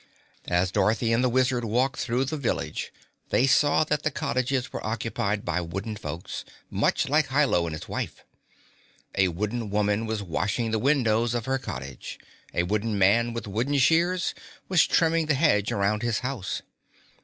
As Dorothy and the Wizard walked through the village, they saw that the cottages were occupied by wooden folks, much like Hi Lo and his wife. A wooden woman was washing the windows of her cottage. A wooden man with wooden shears was trimming the hedge around his house.